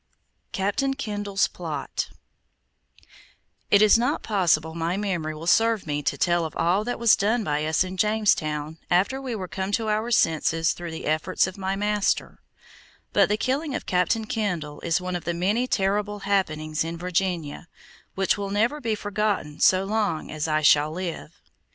CAPTAIN KENDALL'S PLOT It is not possible my memory will serve me to tell of all that was done by us in Jamestown after we were come to our senses through the efforts of my master; but the killing of Captain Kendall is one of the many terrible happenings in Virginia, which will never be forgotten so long as I shall live.